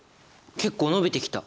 結構延びてきた！